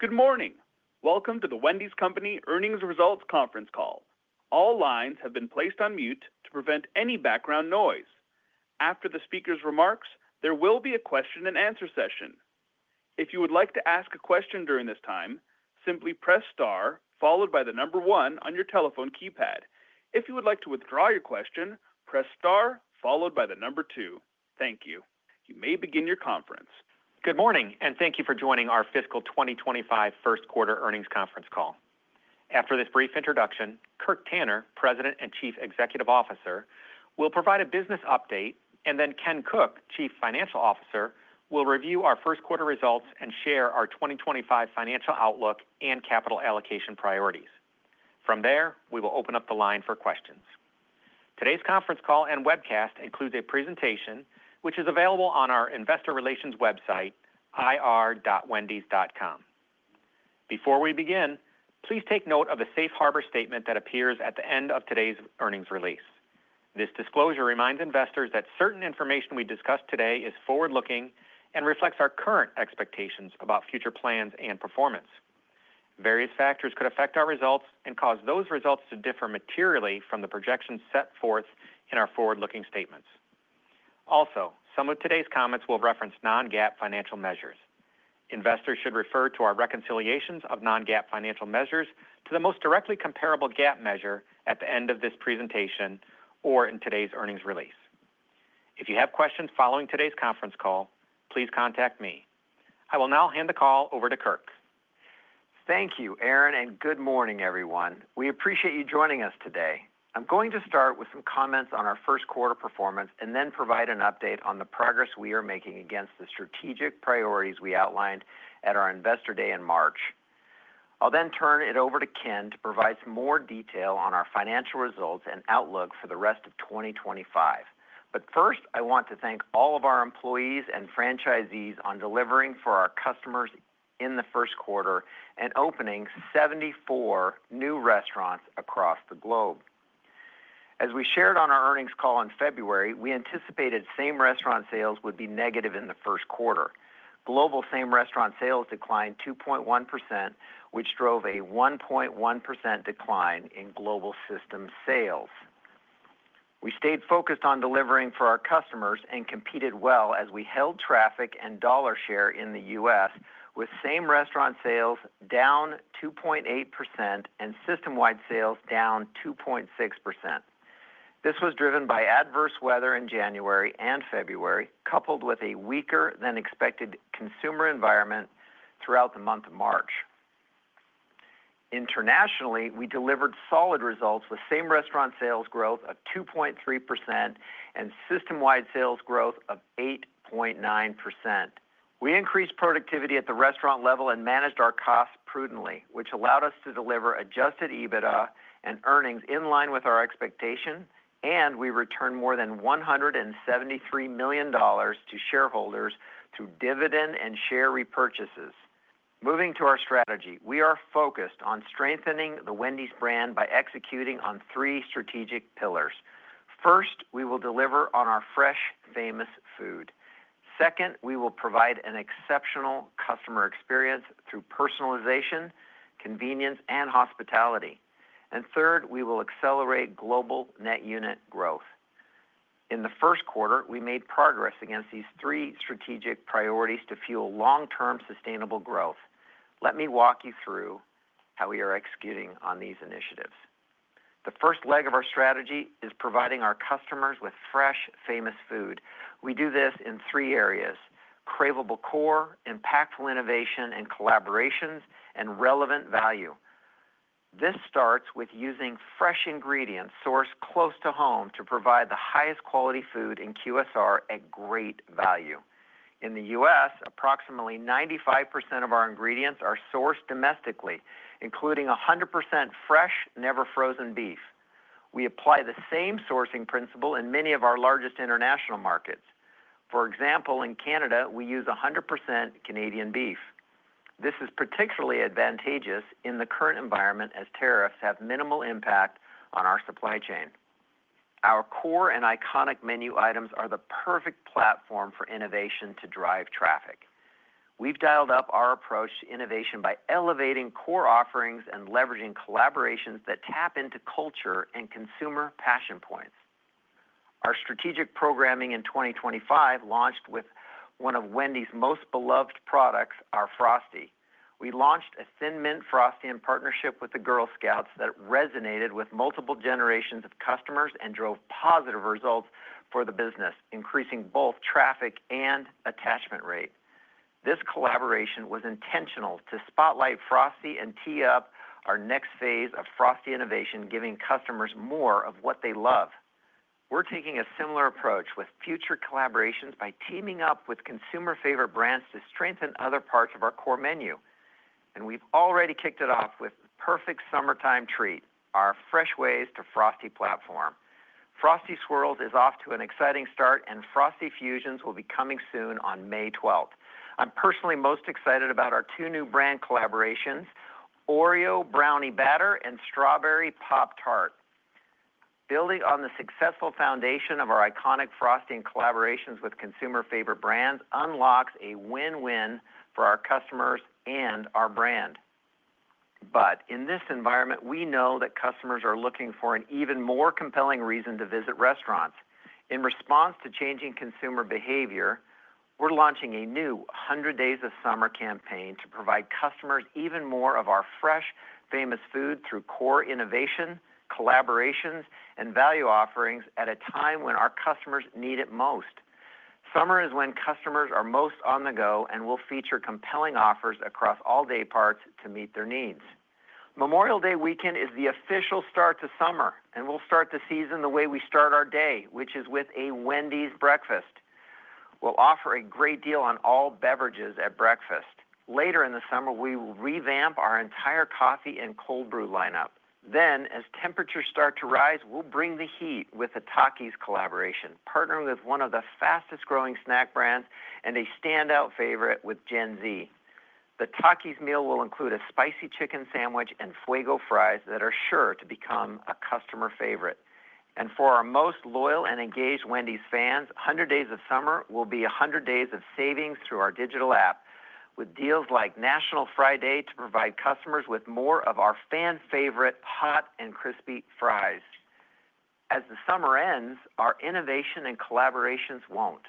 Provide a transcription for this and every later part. Good morning. Welcome to The Wendy's Company Earnings Results Conference Call. All lines have been placed on mute to prevent any background noise. After the speaker's remarks, there will be a question-and-answer session. If you would like to ask a question during this time, simply press star followed by the number one on your telephone keypad. If you would like to withdraw your question, press star followed by the number two. Thank you. You may begin your conference. Good morning, and thank you for joining our Fiscal 2025 First quarter Earnings Conference Call. After this brief introduction, Kirk Tanner, President and Chief Executive Officer, will provide a business update, and then Ken Cook, Chief Financial Officer, will review our first quarter results and share our 2025 financial outlook and capital allocation priorities. From there, we will open up the line for questions. Today's conference call and webcast includes a presentation, which is available on our investor relations website, ir.wendys.com. Before we begin, please take note of the safe harbor statement that appears at the end of today's earnings release. This disclosure reminds investors that certain information we discuss today is forward-looking and reflects our current expectations about future plans and performance. Various factors could affect our results and cause those results to differ materially from the projections set forth in our forward-looking statements. Also, some of today's comments will reference non-GAAP financial measures. Investors should refer to our reconciliations of non-GAAP financial measures to the most directly comparable GAAP measure at the end of this presentation or in today's earnings release. If you have questions following today's conference call, please contact me. I will now hand the call over to Kirk. Thank you, Aaron, and good morning, everyone. We appreciate you joining us today. I'm going to start with some comments on our first quarter performance and then provide an update on the progress we are making against the strategic priorities we outlined at our investor day in March. I'll then turn it over to Ken to provide some more detail on our financial results and outlook for the rest of 2025. First, I want to thank all of our employees and franchisees on delivering for our customers in the first quarter and opening 74 new restaurants across the globe. As we shared on our earnings call in February, we anticipated same restaurant sales would be negative in the first quarter. Global same restaurant sales declined 2.1%, which drove a 1.1% decline in global system sales. We stayed focused on delivering for our customers and competed well as we held traffic and dollar share in the U.S., with same restaurant sales down 2.8% and system-wide sales down 2.6%. This was driven by adverse weather in January and February, coupled with a weaker-than-expected consumer environment throughout the month of March. Internationally, we delivered solid results with same restaurant sales growth of 2.3% and system-wide sales growth of 8.9%. We increased productivity at the restaurant level and managed our costs prudently, which allowed us to deliver adjusted EBITDA and earnings in line with our expectation, and we returned more than $173 million to shareholders through dividend and share repurchases. Moving to our strategy, we are focused on strengthening the Wendy's brand by executing on three strategic pillars. First, we will deliver on our fresh, famous food. Second, we will provide an exceptional customer experience through personalization, convenience, and hospitality. Third, we will accelerate global net unit growth. In the first quarter, we made progress against these three strategic priorities to fuel long-term sustainable growth. Let me walk you through how we are executing on these initiatives. The first leg of our strategy is providing our customers with fresh, famous food. We do this in three areas: craveable core, impactful innovation and collaborations, and relevant value. This starts with using fresh ingredients sourced close to home to provide the highest quality food in QSR at great value. In the U.S., approximately 95% of our ingredients are sourced domestically, including 100% fresh, never frozen beef. We apply the same sourcing principle in many of our largest international markets. For example, in Canada, we use 100% Canadian beef. This is particularly advantageous in the current environment as tariffs have minimal impact on our supply chain. Our core and iconic menu items are the perfect platform for innovation to drive traffic. We've dialed up our approach to innovation by elevating core offerings and leveraging collaborations that tap into culture and consumer passion points. Our strategic programming in 2025 launched with one of Wendy's most beloved products, our Frosty. We launched a Thin Mint Frosty in partnership with the Girl Scouts that resonated with multiple generations of customers and drove positive results for the business, increasing both traffic and attachment rate. This collaboration was intentional to spotlight Frosty and tee up our next phase of Frosty innovation, giving customers more of what they love. We are taking a similar approach with future collaborations by teaming up with consumer-favorite brands to strengthen other parts of our core menu. We have already kicked it off with the perfect summertime treat, our Fresh Ways to Frosty platform. Frosty Swirls is off to an exciting start, and Frosty Fusions will be coming soon on May 12. I am personally most excited about our two new brand collaborations, Oreo Brownie Batter and Strawberry Pop-Tart. Building on the successful foundation of our iconic Frosty and collaborations with consumer-favorite brands unlocks a win-win for our customers and our brand. In this environment, we know that customers are looking for an even more compelling reason to visit restaurants. In response to changing consumer behavior, we're launching a new 100 Days of Summer campaign to provide customers even more of our fresh, famous food through core innovation, collaborations, and value offerings at a time when our customers need it most. Summer is when customers are most on the go and will feature compelling offers across all day parts to meet their needs. Memorial Day weekend is the official start to summer, and we'll start the season the way we start our day, which is with a Wendy's breakfast. We'll offer a great deal on all beverages at breakfast. Later in the summer, we will revamp our entire coffee and cold brew lineup. As temperatures start to rise, we'll bring the heat with a Takis collaboration, partnering with one of the fastest-growing snack brands and a standout favorite with Gen Z. The Takis meal will include a Spicy Chicken Sandwich and Fuego Fries that are sure to become a customer favorite. For our most loyal and engaged Wendy's fans, 100 Days of Summer will be 100 days of savings through our digital app, with deals like National Fry Day to provide customers with more of our fan-favorite hot and crispy fries. As the summer ends, our innovation and collaborations won't.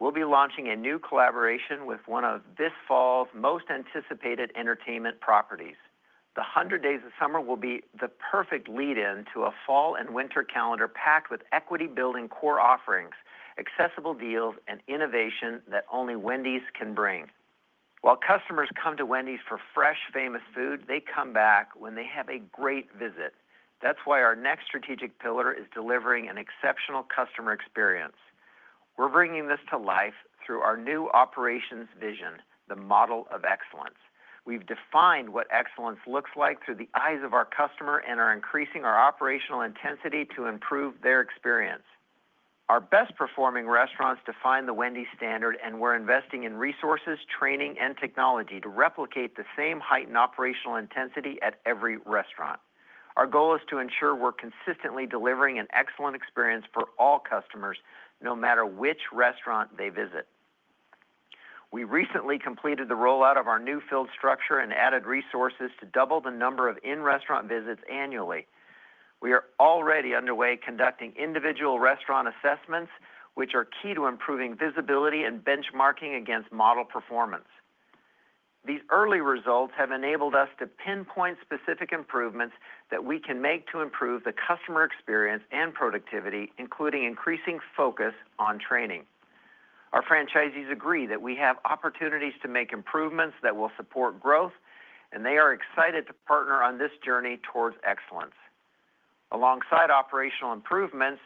We'll be launching a new collaboration with one of this fall's most anticipated entertainment properties. The 100 Days of Summer will be the perfect lead-in to a fall and winter calendar packed with equity-building core offerings, accessible deals, and innovation that only Wendy's can bring. While customers come to Wendy's for fresh, famous food, they come back when they have a great visit. That's why our next strategic pillar is delivering an exceptional customer experience. We're bringing this to life through our new operations vision, the model of excellence. We've defined what excellence looks like through the eyes of our customer and are increasing our operational intensity to improve their experience. Our best-performing restaurants define the Wendy's standard, and we're investing in resources, training, and technology to replicate the same height and operational intensity at every restaurant. Our goal is to ensure we're consistently delivering an excellent experience for all customers, no matter which restaurant they visit. We recently completed the rollout of our new field structure and added resources to double the number of in-restaurant visits annually. We are already underway conducting individual restaurant assessments, which are key to improving visibility and benchmarking against model performance. These early results have enabled us to pinpoint specific improvements that we can make to improve the customer experience and productivity, including increasing focus on training. Our franchisees agree that we have opportunities to make improvements that will support growth, and they are excited to partner on this journey towards excellence. Alongside operational improvements,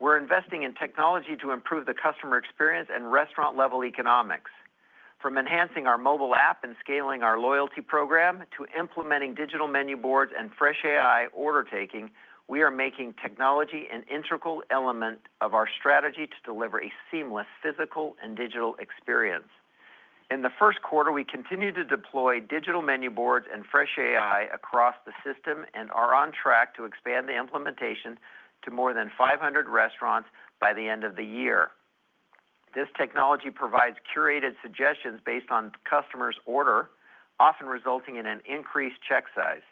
we're investing in technology to improve the customer experience and restaurant-level economics. From enhancing our mobile app and scaling our loyalty program to implementing digital menu boards and FreshAI order taking, we are making technology an integral element of our strategy to deliver a seamless physical and digital experience. In the first quarter, we continue to deploy digital menu boards and FreshAI across the system and are on track to expand the implementation to more than 500 restaurants by the end of the year. This technology provides curated suggestions based on customers' order, often resulting in an increased check size.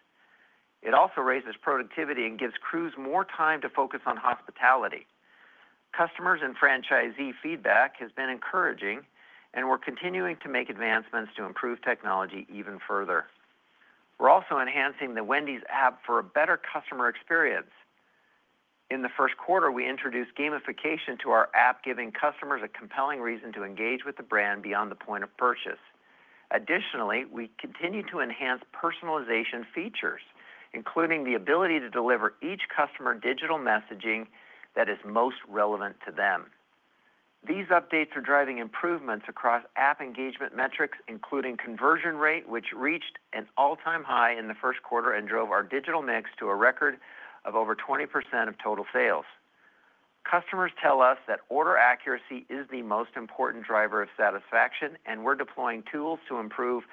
It also raises productivity and gives crews more time to focus on hospitality. Customers' and franchisee feedback has been encouraging, and we're continuing to make advancements to improve technology even further. We're also enhancing the Wendy's app for a better customer experience. In the first quarter, we introduced gamification to our app, giving customers a compelling reason to engage with the brand beyond the point of purchase. Additionally, we continue to enhance personalization features, including the ability to deliver each customer digital messaging that is most relevant to them. These updates are driving improvements across app engagement metrics, including conversion rate, which reached an all-time high in the first quarter and drove our digital mix to a record of over 20% of total sales. Customers tell us that order accuracy is the most important driver of satisfaction, and we're deploying tools to improve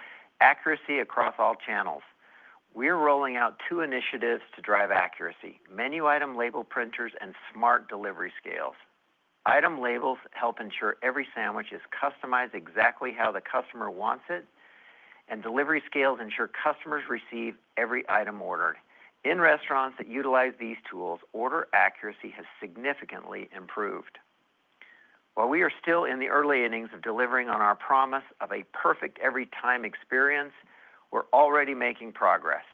accuracy across all channels. We're rolling out two initiatives to drive accuracy: menu item label printers and smart delivery scales. Item labels help ensure every sandwich is customized exactly how the customer wants it, and delivery scales ensure customers receive every item ordered. In restaurants that utilize these tools, order accuracy has significantly improved. While we are still in the early innings of delivering on our promise of a perfect every-time experience, we're already making progress,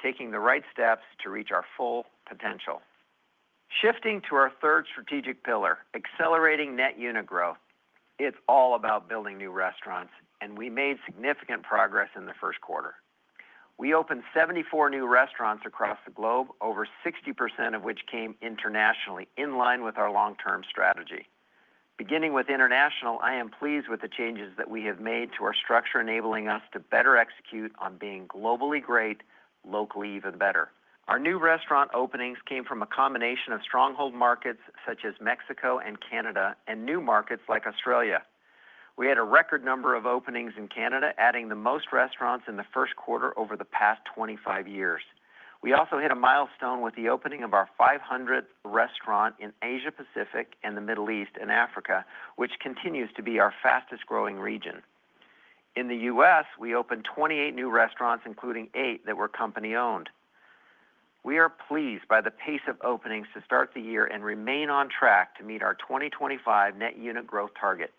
taking the right steps to reach our full potential. Shifting to our third strategic pillar, accelerating net unit growth, it's all about building new restaurants, and we made significant progress in the first quarter. We opened 74 new restaurants across the globe, over 60% of which came internationally, in line with our long-term strategy. Beginning with international, I am pleased with the changes that we have made to our structure, enabling us to better execute on being globally great, locally even better. Our new restaurant openings came from a combination of stronghold markets such as Mexico and Canada and new markets like Australia. We had a record number of openings in Canada, adding the most restaurants in the first quarter over the past 25 years. We also hit a milestone with the opening of our 500th restaurant in Asia-Pacific and the Middle East and Africa, which continues to be our fastest-growing region. In the U.S., we opened 28 new restaurants, including 8 that were company-owned. We are pleased by the pace of openings to start the year and remain on track to meet our 2025 net unit growth target.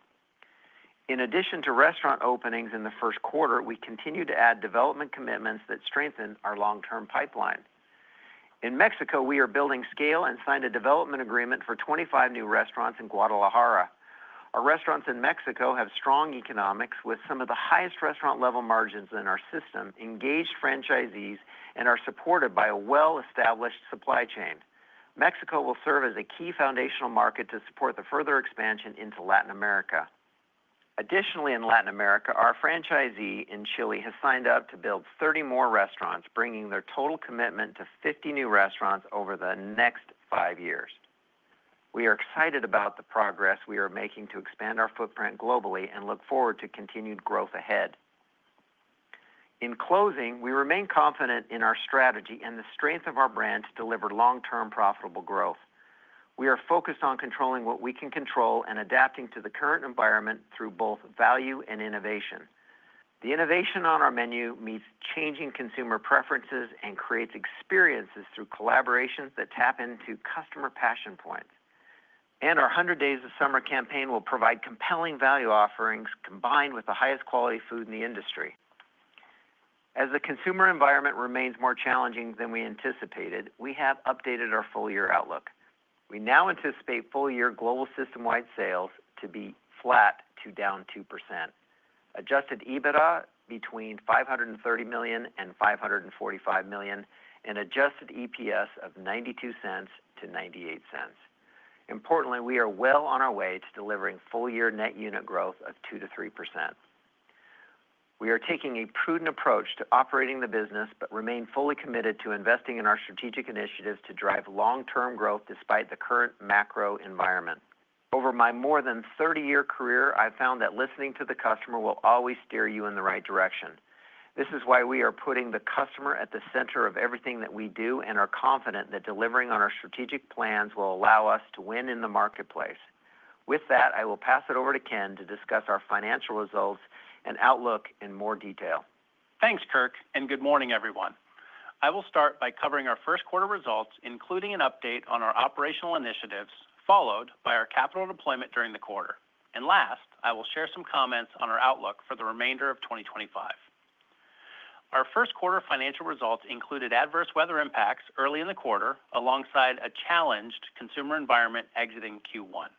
In addition to restaurant openings in the first quarter, we continue to add development commitments that strengthen our long-term pipeline. In Mexico, we are building scale and signed a development agreement for 25 new restaurants in Guadalajara. Our restaurants in Mexico have strong economics with some of the highest restaurant-level margins in our system, engaged franchisees, and are supported by a well-established supply chain. Mexico will serve as a key foundational market to support the further expansion into Latin America. Additionally, in Latin America, our franchisee in Chile has signed up to build 30 more restaurants, bringing their total commitment to 50 new restaurants over the next five years. We are excited about the progress we are making to expand our footprint globally and look forward to continued growth ahead. In closing, we remain confident in our strategy and the strength of our brand to deliver long-term profitable growth. We are focused on controlling what we can control and adapting to the current environment through both value and innovation. The innovation on our menu meets changing consumer preferences and creates experiences through collaborations that tap into customer passion points. Our 100 Days of Summer campaign will provide compelling value offerings combined with the highest quality food in the industry. As the consumer environment remains more challenging than we anticipated, we have updated our full-year outlook. We now anticipate full-year global system-wide sales to be flat to down 2%, adjusted EBITDA between $530 million and $545 million, and adjusted EPS of $0.92-$0.98. Importantly, we are well on our way to delivering full-year net unit growth of 2-3%. We are taking a prudent approach to operating the business but remain fully committed to investing in our strategic initiatives to drive long-term growth despite the current macro environment. Over my more than 30-year career, I've found that listening to the customer will always steer you in the right direction. This is why we are putting the customer at the center of everything that we do and are confident that delivering on our strategic plans will allow us to win in the marketplace. With that, I will pass it over to Ken to discuss our financial results and outlook in more detail. Thanks, Kirk, and good morning, everyone. I will start by covering our first quarter results, including an update on our operational initiatives, followed by our capital deployment during the quarter. Last, I will share some comments on our outlook for the remainder of 2025. Our first quarter financial results included adverse weather impacts early in the quarter alongside a challenged consumer environment exiting Q1.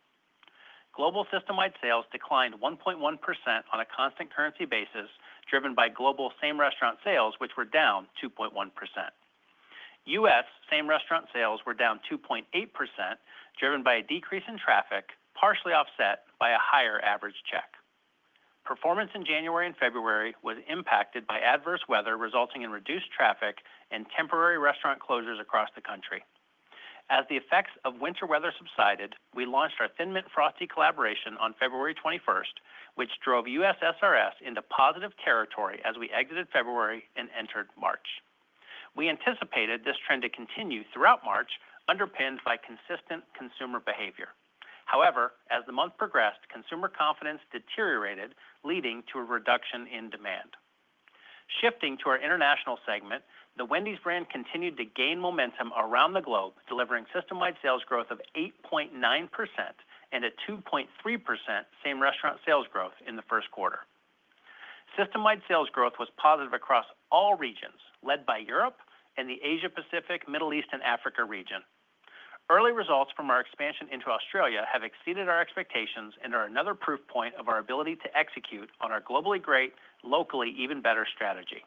Global system-wide sales declined 1.1% on a constant currency basis, driven by global same restaurant sales, which were down 2.1%. U.S. same restaurant sales were down 2.8%, driven by a decrease in traffic, partially offset by a higher average check. Performance in January and February was impacted by adverse weather, resulting in reduced traffic and temporary restaurant closures across the country. As the effects of winter weather subsided, we launched our Thin Mint Frosty collaboration on February 21, which drove U.S. SRS into positive territory as we exited February and entered March. We anticipated this trend to continue throughout March, underpinned by consistent consumer behavior. However, as the month progressed, consumer confidence deteriorated, leading to a reduction in demand. Shifting to our international segment, the Wendy's brand continued to gain momentum around the globe, delivering system-wide sales growth of 8.9% and a 2.3% same restaurant sales growth in the first quarter. System-wide sales growth was positive across all regions, led by Europe and the Asia-Pacific, Middle East, and Africa region. Early results from our expansion into Australia have exceeded our expectations and are another proof point of our ability to execute on our globally great, locally even better strategy.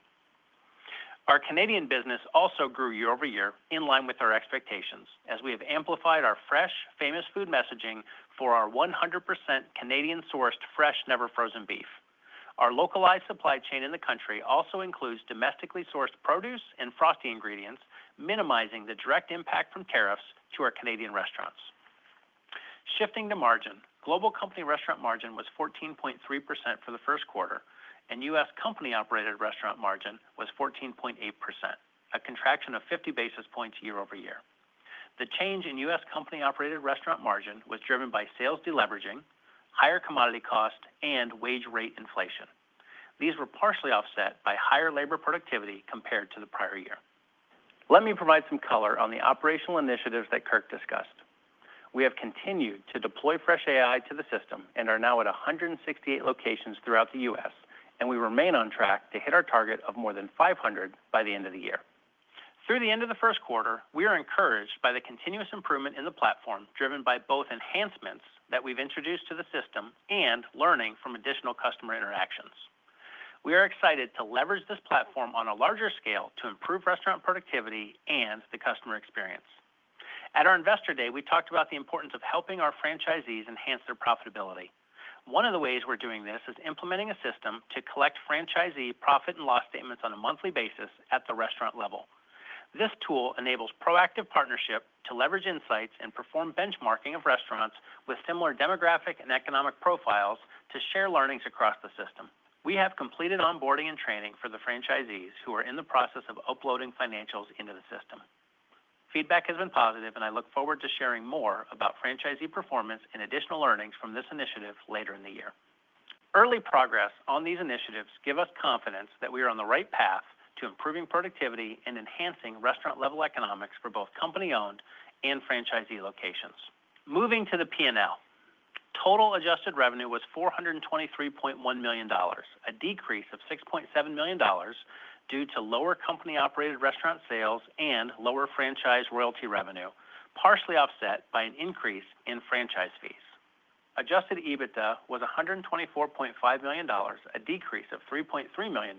Our Canadian business also grew year over year in line with our expectations, as we have amplified our fresh, famous food messaging for our 100% Canadian-sourced fresh, never frozen beef. Our localized supply chain in the country also includes domestically sourced produce and Frosty ingredients, minimizing the direct impact from tariffs to our Canadian restaurants. Shifting to margin, global company restaurant margin was 14.3% for the first quarter, and US company-operated restaurant margin was 14.8%, a contraction of 50 basis points year over year. The change in US company-operated restaurant margin was driven by sales deleveraging, higher commodity cost, and wage rate inflation. These were partially offset by higher labor productivity compared to the prior year. Let me provide some color on the operational initiatives that Kirk discussed. We have continued to deploy FreshAI to the system and are now at 168 locations throughout the US, and we remain on track to hit our target of more than 500 by the end of the year. Through the end of the first quarter, we are encouraged by the continuous improvement in the platform, driven by both enhancements that we've introduced to the system and learning from additional customer interactions. We are excited to leverage this platform on a larger scale to improve restaurant productivity and the customer experience. At our investor day, we talked about the importance of helping our franchisees enhance their profitability. One of the ways we're doing this is implementing a system to collect franchisee profit and loss statements on a monthly basis at the restaurant level. This tool enables proactive partnership to leverage insights and perform benchmarking of restaurants with similar demographic and economic profiles to share learnings across the system. We have completed onboarding and training for the franchisees who are in the process of uploading financials into the system. Feedback has been positive, and I look forward to sharing more about franchisee performance and additional learnings from this initiative later in the year. Early progress on these initiatives gives us confidence that we are on the right path to improving productivity and enhancing restaurant-level economics for both company-owned and franchisee locations. Moving to the P&L, total adjusted revenue was $423.1 million, a decrease of $6.7 million due to lower company-operated restaurant sales and lower franchise royalty revenue, partially offset by an increase in franchise fees. Adjusted EBITDA was $124.5 million, a decrease of $3.3 million,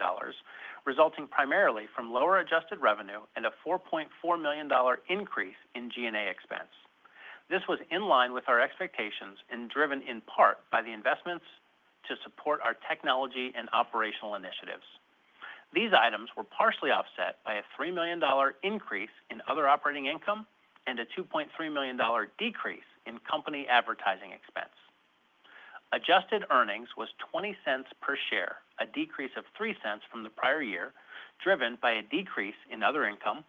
resulting primarily from lower adjusted revenue and a $4.4 million increase in G&A expense. This was in line with our expectations and driven in part by the investments to support our technology and operational initiatives. These items were partially offset by a $3 million increase in other operating income and a $2.3 million decrease in company advertising expense. Adjusted earnings was $0.20 per share, a decrease of $0.03 from the prior year, driven by a decrease in other income,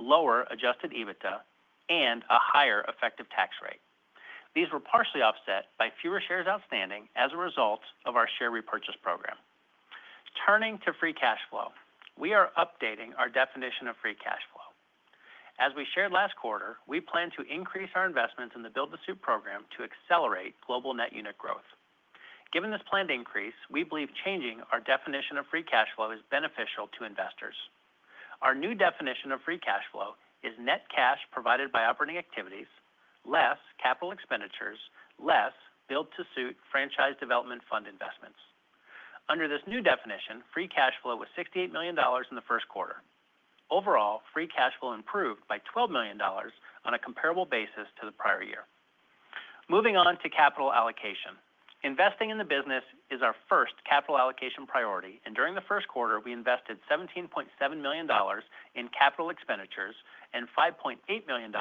lower adjusted EBITDA, and a higher effective tax rate. These were partially offset by fewer shares outstanding as a result of our share repurchase program. Turning to free cash flow, we are updating our definition of free cash flow. As we shared last quarter, we plan to increase our investments in the Build-to-Suit program to accelerate global net unit growth. Given this planned increase, we believe changing our definition of free cash flow is beneficial to investors. Our new definition of free cash flow is net cash provided by operating activities, less capital expenditures, less Build-to-Suit franchise development fund investments. Under this new definition, free cash flow was $68 million in the first quarter. Overall, free cash flow improved by $12 million on a comparable basis to the prior year. Moving on to capital allocation, investing in the business is our first capital allocation priority, and during the first quarter, we invested $17.7 million in capital expenditures and $5.8 million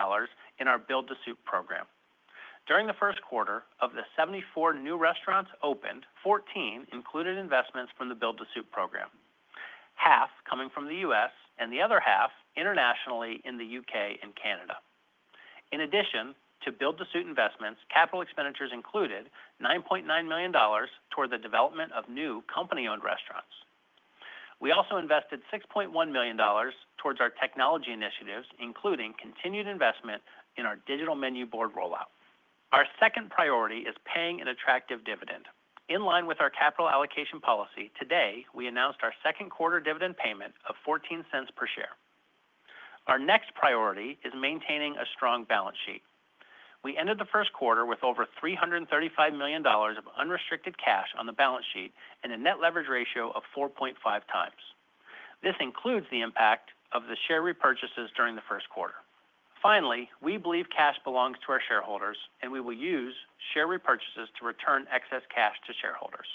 in our Build-to-Suit program. During the first quarter, of the 74 new restaurants opened, 14 included investments from the Build-to-Suit program, half coming from the U.S. and the other half internationally in the U.K. and Canada. In addition to Build-to-Suit investments, capital expenditures included $9.9 million toward the development of new company-owned restaurants. We also invested $6.1 million towards our technology initiatives, including continued investment in our digital menu board rollout. Our second priority is paying an attractive dividend. In line with our capital allocation policy, today we announced our second quarter dividend payment of $0.14 per share. Our next priority is maintaining a strong balance sheet. We ended the first quarter with over $335 million of unrestricted cash on the balance sheet and a net leverage ratio of 4.5 times. This includes the impact of the share repurchases during the first quarter. Finally, we believe cash belongs to our shareholders, and we will use share repurchases to return excess cash to shareholders.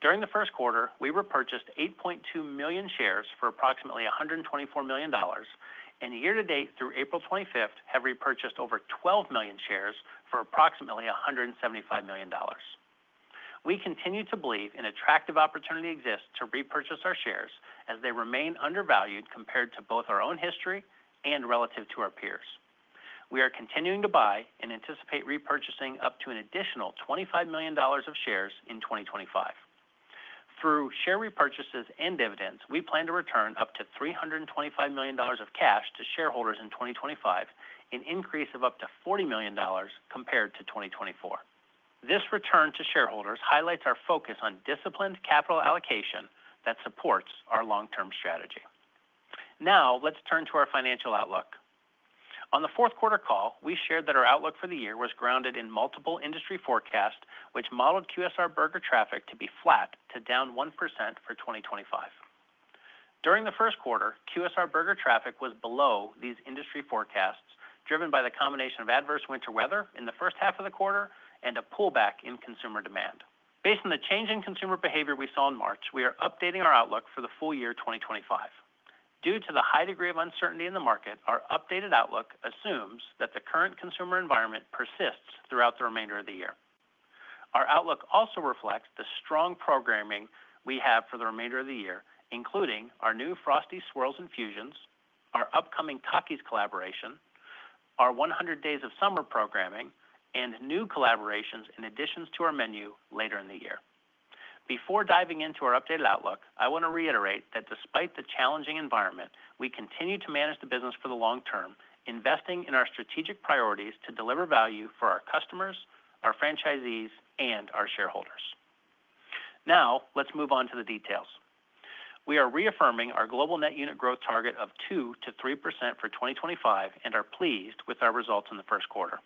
During the first quarter, we repurchased 8.2 million shares for approximately $124 million, and year to date through April 25th, have repurchased over 12 million shares for approximately $175 million. We continue to believe an attractive opportunity exists to repurchase our shares as they remain undervalued compared to both our own history and relative to our peers. We are continuing to buy and anticipate repurchasing up to an additional $25 million of shares in 2025. Through share repurchases and dividends, we plan to return up to $325 million of cash to shareholders in 2025, an increase of up to $40 million compared to 2024. This return to shareholders highlights our focus on disciplined capital allocation that supports our long-term strategy. Now, let's turn to our financial outlook. On the fourth quarter call, we shared that our outlook for the year was grounded in multiple industry forecasts, which modeled QSR Burger traffic to be flat to down 1% for 2025. During the first quarter, QSR Burger traffic was below these industry forecasts, driven by the combination of adverse winter weather in the first half of the quarter and a pullback in consumer demand. Based on the change in consumer behavior we saw in March, we are updating our outlook for the full year 2025. Due to the high degree of uncertainty in the market, our updated outlook assumes that the current consumer environment persists throughout the remainder of the year. Our outlook also reflects the strong programming we have for the remainder of the year, including our new Frosty Swirls and Fusions, our upcoming Takis collaboration, our 100 Days of Summer programming, and new collaborations and additions to our menu later in the year. Before diving into our updated outlook, I want to reiterate that despite the challenging environment, we continue to manage the business for the long term, investing in our strategic priorities to deliver value for our customers, our franchisees, and our shareholders. Now, let's move on to the details. We are reaffirming our global net unit growth target of 2-3% for 2025 and are pleased with our results in the first quarter.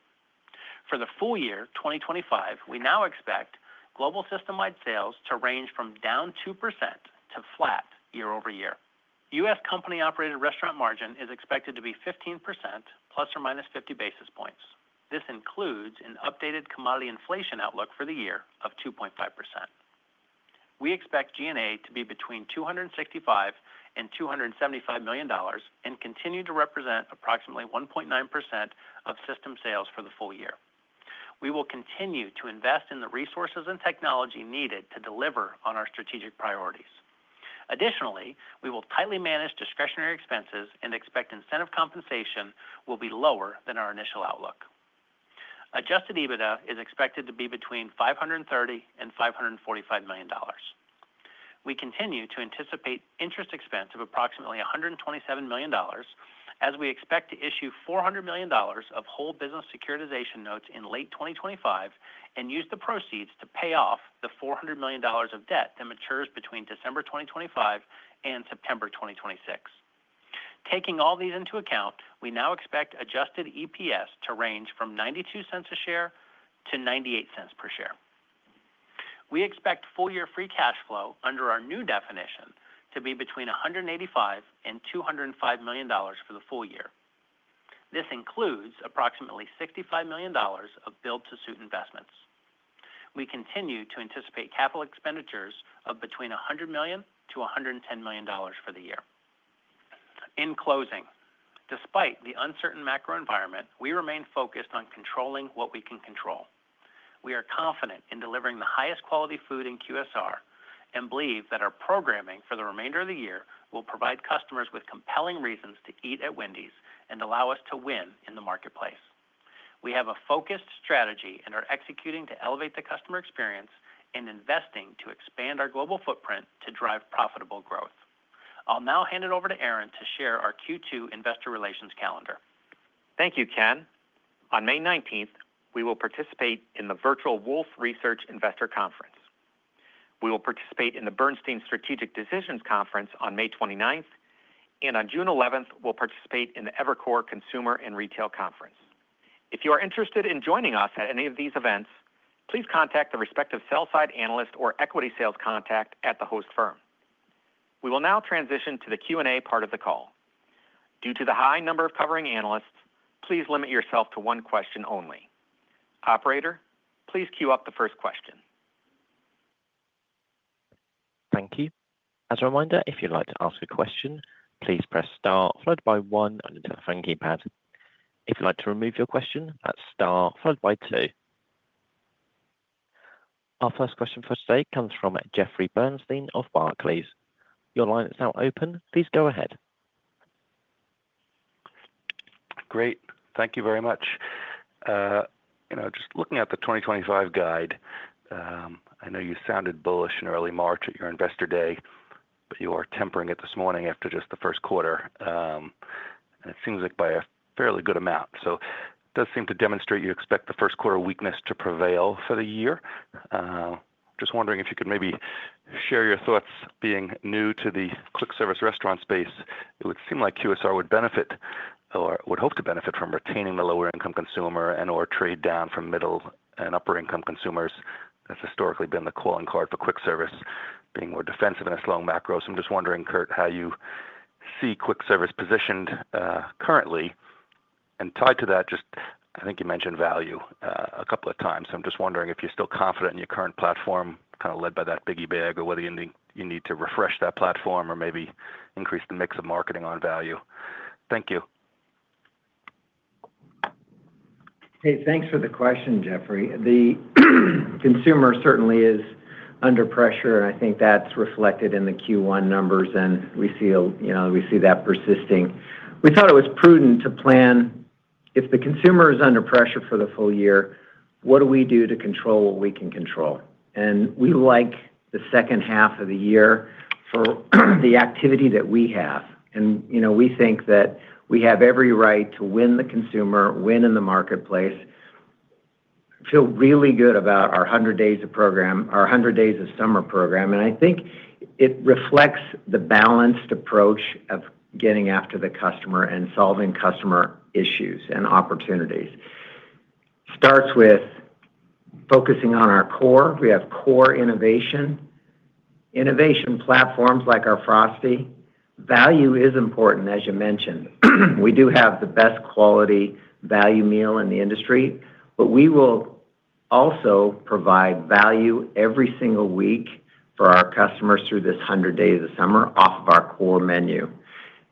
For the full year 2025, we now expect global system-wide sales to range from down 2% to flat year over year. US company-operated restaurant margin is expected to be 15% plus or minus 50 basis points. This includes an updated commodity inflation outlook for the year of 2.5%. We expect G&A to be between $265-$275 million and continue to represent approximately 1.9% of system sales for the full year. We will continue to invest in the resources and technology needed to deliver on our strategic priorities. Additionally, we will tightly manage discretionary expenses and expect incentive compensation will be lower than our initial outlook. Adjusted EBITDA is expected to be between $530-$545 million. We continue to anticipate interest expense of approximately $127 million as we expect to issue $400 million of whole business securitization notes in late 2025 and use the proceeds to pay off the $400 million of debt that matures between December 2025 and September 2026. Taking all these into account, we now expect adjusted EPS to range from $0.92 a share to $0.98 per share. We expect full-year free cash flow under our new definition to be between $185 million and $205 million for the full year. This includes approximately $65 million of Build to Suit investments. We continue to anticipate capital expenditures of between $100 million-$110 million for the year. In closing, despite the uncertain macro environment, we remain focused on controlling what we can control. We are confident in delivering the highest quality food in QSR and believe that our programming for the remainder of the year will provide customers with compelling reasons to eat at Wendy's and allow us to win in the marketplace. We have a focused strategy and are executing to elevate the customer experience and investing to expand our global footprint to drive profitable growth. I'll now hand it over to Aaron to share our Q2 investor relations calendar. Thank you, Ken. On May 19, we will participate in the Virtual Wolfe Research Investor Conference. We will participate in the Bernstein Strategic Decisions Conference on May 29, and on June 11, we'll participate in the Evercore Consumer and Retail Conference. If you are interested in joining us at any of these events, please contact the respective sell-side analyst or equity sales contact at the host firm. We will now transition to the Q&A part of the call. Due to the high number of covering analysts, please limit yourself to one question only. Operator, please queue up the first question. Thank you. As a reminder, if you'd like to ask a question, please press Star followed by one on the telephone keypad. If you'd like to remove your question, that's Star followed by two. Our first question for today comes from Jeffrey Bernstein of Barclays. Your line is now open. Please go ahead. Great. Thank you very much. Just looking at the 2025 guide, I know you sounded bullish in early March at your investor day, but you are tempering it this morning after just the first quarter. It seems like by a fairly good amount. It does seem to demonstrate you expect the first quarter weakness to prevail for the year. Just wondering if you could maybe share your thoughts. Being new to the quick service restaurant space, it would seem like QSR would benefit or would hope to benefit from retaining the lower income consumer and/or trade down from middle and upper income consumers. That's historically been the calling card for quick service, being more defensive in its long macro. I am just wondering, Kirk, how you see quick service positioned currently. Tied to that, I think you mentioned value a couple of times. I am just wondering if you're still confident in your current platform, kind of led by that Biggie Bag, or whether you need to refresh that platform or maybe increase the mix of marketing on value. Thank you. Hey, thanks for the question, Jeffrey. The consumer certainly is under pressure, and I think that's reflected in the Q1 numbers, and we see that persisting. We thought it was prudent to plan if the consumer is under pressure for the full year, what do we do to control what we can control? We like the second half of the year for the activity that we have. We think that we have every right to win the consumer, win in the marketplace, feel really good about our 100 Days of Summer program. I think it reflects the balanced approach of getting after the customer and solving customer issues and opportunities. It starts with focusing on our core. We have core innovation. Innovation platforms like our Frosty value is important, as you mentioned. We do have the best quality value meal in the industry, but we will also provide value every single week for our customers through this 100 Days of Summer off of our core menu.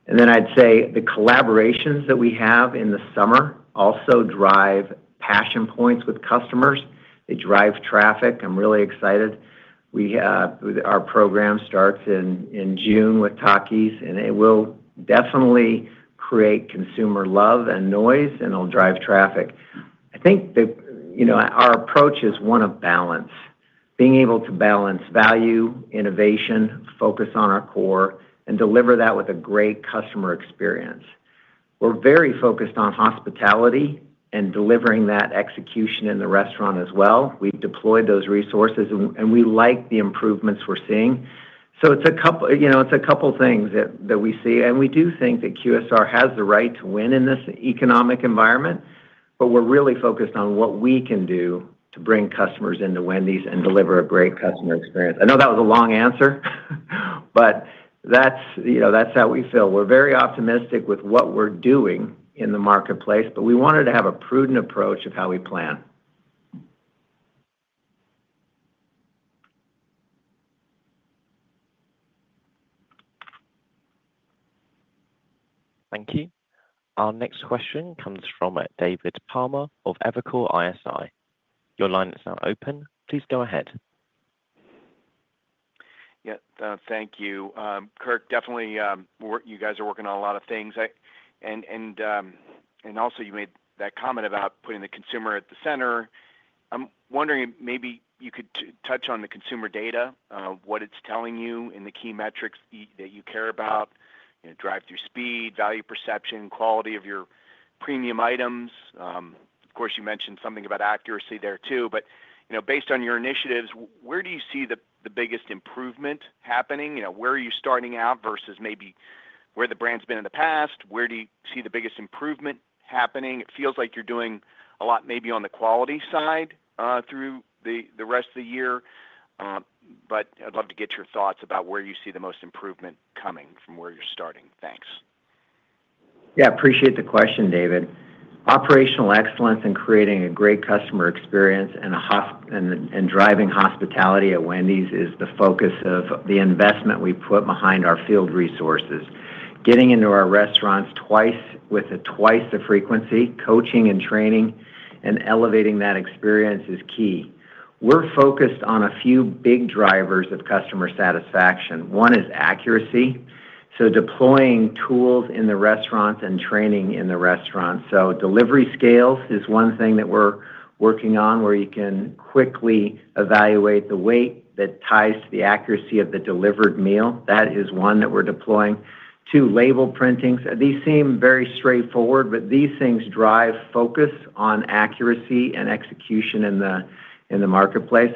I'd say the collaborations that we have in the summer also drive passion points with customers. They drive traffic. I'm really excited. Our program starts in June with Takis, and it will definitely create consumer love and noise, and it'll drive traffic. I think our approach is one of balance, being able to balance value, innovation, focus on our core, and deliver that with a great customer experience. We're very focused on hospitality and delivering that execution in the restaurant as well. We've deployed those resources, and we like the improvements we're seeing. It's a couple of things that we see, and we do think that QSR has the right to win in this economic environment, but we're really focused on what we can do to bring customers into Wendy's and deliver a great customer experience. I know that was a long answer, but that's how we feel. We're very optimistic with what we're doing in the marketplace, but we wanted to have a prudent approach of how we plan. Thank you. Our next question comes from David Palmer of Evercore ISI. Your line is now open. Please go ahead. Yeah. Thank you. Kirk, definitely you guys are working on a lot of things. And also you made that comment about putting the consumer at the center. I'm wondering if maybe you could touch on the consumer data, what it's telling you in the key metrics that you care about, drive through speed, value perception, quality of your premium items. Of course, you mentioned something about accuracy there too, but based on your initiatives, where do you see the biggest improvement happening? Where are you starting out versus maybe where the brand's been in the past? Where do you see the biggest improvement happening? It feels like you're doing a lot maybe on the quality side through the rest of the year, but I'd love to get your thoughts about where you see the most improvement coming from where you're starting. Thanks. Yeah. I appreciate the question, David. Operational excellence and creating a great customer experience and driving hospitality at Wendy's is the focus of the investment we put behind our field resources. Getting into our restaurants with twice the frequency, coaching and training, and elevating that experience is key. We're focused on a few big drivers of customer satisfaction. One is accuracy, so deploying tools in the restaurants and training in the restaurants. Delivery scales is one thing that we're working on where you can quickly evaluate the weight that ties to the accuracy of the delivered meal. That is one that we're deploying. Two label printings. These seem very straightforward, but these things drive focus on accuracy and execution in the marketplace.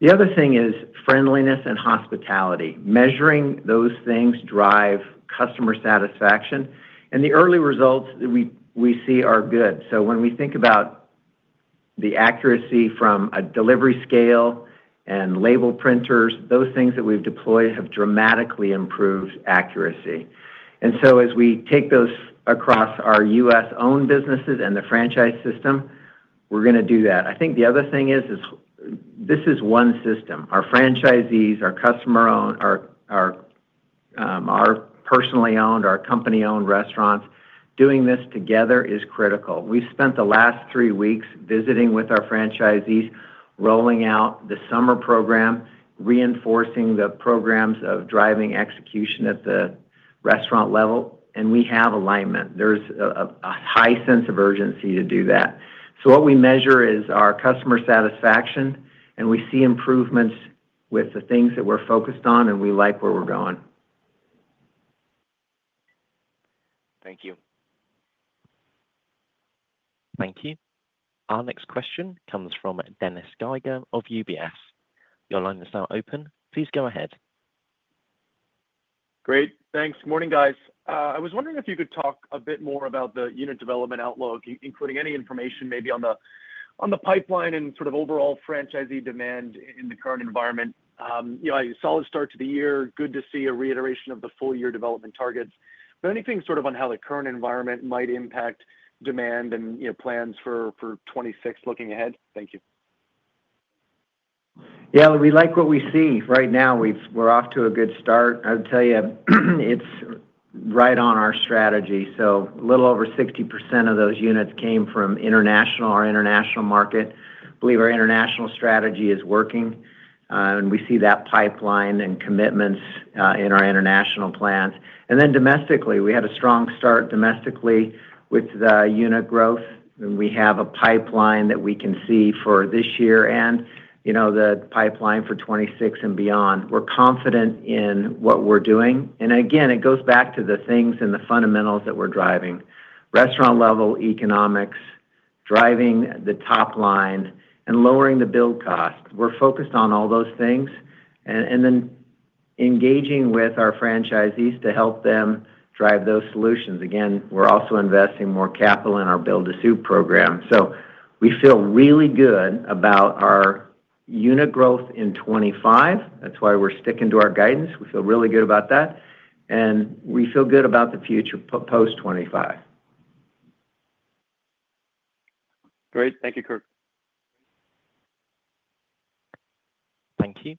The other thing is friendliness and hospitality. Measuring those things drives customer satisfaction, and the early results that we see are good. When we think about the accuracy from a delivery scale and label printers, those things that we've deployed have dramatically improved accuracy. As we take those across our US-owned businesses and the franchise system, we're going to do that. I think the other thing is this is one system. Our franchisees, our customer-owned, our personally owned, our company-owned restaurants, doing this together is critical. We've spent the last three weeks visiting with our franchisees, rolling out the summer program, reinforcing the programs of driving execution at the restaurant level, and we have alignment. There's a high sense of urgency to do that. What we measure is our customer satisfaction, and we see improvements with the things that we're focused on, and we like where we're going. Thank you. Thank you. Our next question comes from Dennis Geiger of UBS. Your line is now open. Please go ahead. Great. Thanks. Morning, guys. I was wondering if you could talk a bit more about the unit development outlook, including any information maybe on the pipeline and sort of overall franchisee demand in the current environment. A solid start to the year. Good to see a reiteration of the full-year development targets. Anything sort of on how the current environment might impact demand and plans for 2026 looking ahead? Thank you. Yeah. We like what we see. Right now, we're off to a good start. I would tell you it's right on our strategy. A little over 60% of those units came from international, our international market. I believe our international strategy is working, and we see that pipeline and commitments in our international plans. Domestically, we had a strong start domestically with the unit growth, and we have a pipeline that we can see for this year and the pipeline for 2026 and beyond. We're confident in what we're doing. It goes back to the things and the fundamentals that we're driving: restaurant-level economics, driving the top line, and lowering the build cost. We're focused on all those things and then engaging with our franchisees to help them drive those solutions. We're also investing more capital in our Build to Suit program. We feel really good about our unit growth in 2025. That's why we're sticking to our guidance. We feel really good about that, and we feel good about the future post 2025. Great. Thank you, Kirk. Thank you.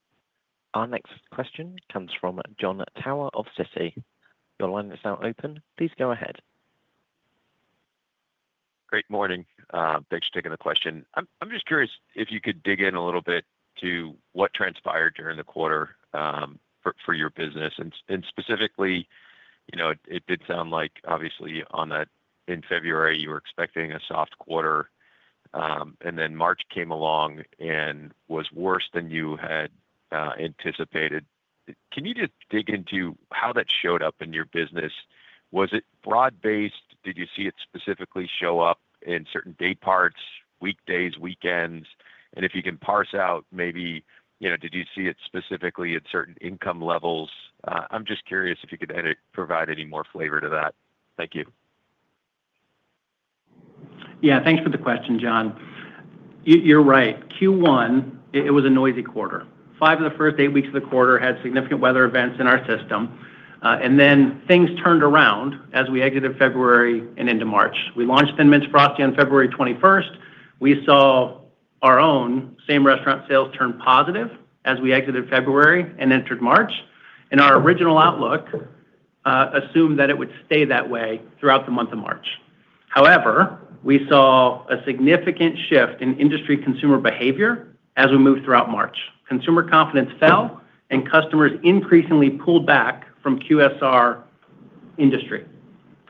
Our next question comes from Jon Tower of Citigroup. Your line is now open. Please go ahead. Great. Morning. Thanks for taking the question. I'm just curious if you could dig in a little bit to what transpired during the quarter for your business. Specifically, it did sound like, obviously, in February, you were expecting a soft quarter, and then March came along and was worse than you had anticipated. Can you just dig into how that showed up in your business? Was it broad-based? Did you see it specifically show up in certain day parts, weekdays, weekends? If you can parse out, maybe did you see it specifically at certain income levels? I'm just curious if you could provide any more flavor to that. Thank you. Yeah. Thanks for the question, John. You're right. Q1, it was a noisy quarter. Five of the first eight weeks of the quarter had significant weather events in our system. Things turned around as we exited February and into March. We launched Thin Mint Frosty on February 21st. We saw our own same restaurant sales turn positive as we exited February and entered March. Our original outlook assumed that it would stay that way throughout the month of March. However, we saw a significant shift in industry consumer behavior as we moved throughout March. Consumer confidence fell, and customers increasingly pulled back from QSR industry.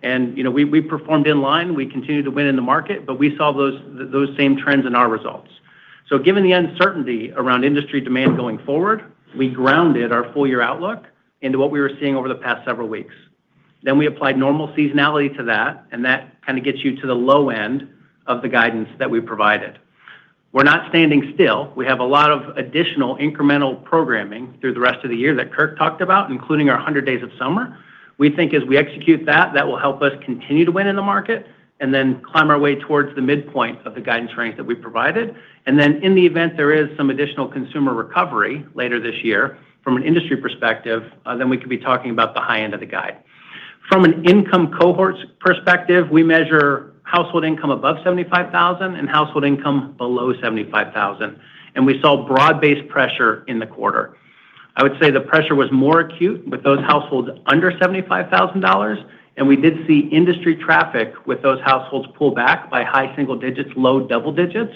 We performed in line. We continued to win in the market, but we saw those same trends in our results. Given the uncertainty around industry demand going forward, we grounded our full-year outlook into what we were seeing over the past several weeks. Then we applied normal seasonality to that, and that kind of gets you to the low end of the guidance that we provided. We're not standing still. We have a lot of additional incremental programming through the rest of the year that Kirk talked about, including our 100 Days of Summer. We think as we execute that, that will help us continue to win in the market and then climb our way towards the midpoint of the guidance range that we provided. In the event there is some additional consumer recovery later this year from an industry perspective, then we could be talking about the high end of the guide. From an income cohort perspective, we measure household income above $75,000 and household income below $75,000. We saw broad-based pressure in the quarter. I would say the pressure was more acute with those households under $75,000, and we did see industry traffic with those households pull back by high single digits, low double digits,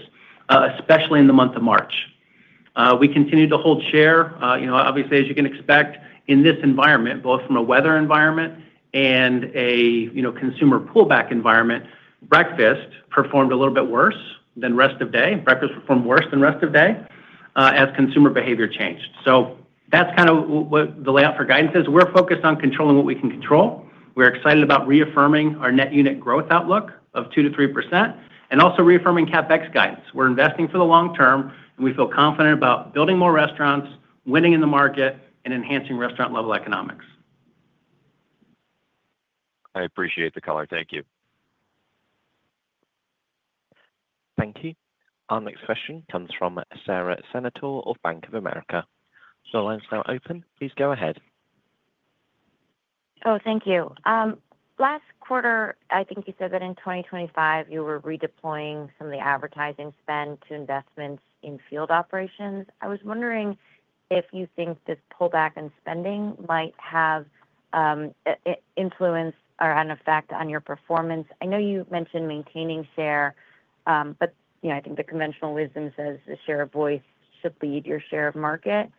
especially in the month of March. We continued to hold share. Obviously, as you can expect, in this environment, both from a weather environment and a consumer pullback environment, breakfast performed a little bit worse than rest of day. Breakfast performed worse than rest of day as consumer behavior changed. That is kind of what the layout for guidance is. We are focused on controlling what we can control. We are excited about reaffirming our net unit growth outlook of 2-3% and also reaffirming CapEx guidance. We're investing for the long term, and we feel confident about building more restaurants, winning in the market, and enhancing restaurant-level economics. I appreciate the color. Thank you. Thank you. Our next question comes from Sara Senatore of Bank of America. Your line is now open. Please go ahead. Oh, thank you. Last quarter, I think you said that in 2025, you were redeploying some of the advertising spend to investments in field operations. I was wondering if you think this pullback in spending might have influence or an effect on your performance. I know you mentioned maintaining share, but I think the conventional wisdom says the share of voice should lead your share of market.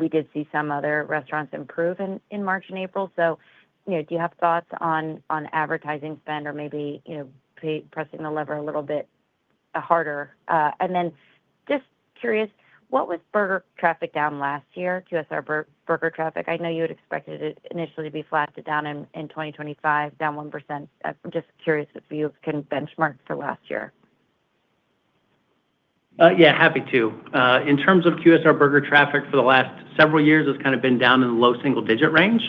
We did see some other restaurants improve in March and April. Do you have thoughts on advertising spend or maybe pressing the lever a little bit harder? Just curious, what was burger traffic down last year, QSR burger traffic? I know you had expected it initially to be flat down in 2025, down 1%. I'm just curious if you can benchmark for last year. Yeah. Happy to. In terms of QSR burger traffic for the last several years, it's kind of been down in the low single digit range.